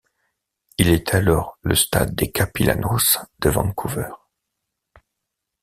Il est alors le stade des Capilanos de Vancouver.